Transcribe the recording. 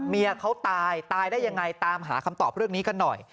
เมียเขาตายตายได้ยังไงตามหาคำตอบเรื่องนี้กันหน่อย